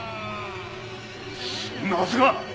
そんなはずが。